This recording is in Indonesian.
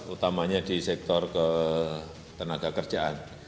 utamanya di sektor ketenaga kerjaan